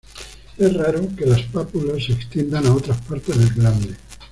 Es raro que las pápulas se extiendan a otras partes del glande.